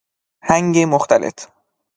هنگ مختلط